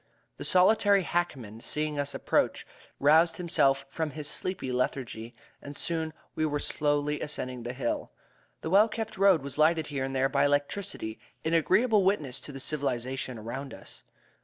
The solitary hackman, seeing us approach, roused himself from his sleepy lethargy and soon we were slowly ascending the hill. The well kept road was lighted here and there by electricity, an agreeable witness to the civilization around us.